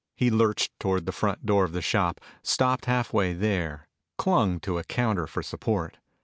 He lurched toward the front door of the shop, stopped half way there, clung to a counter for support.